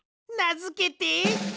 なづけて。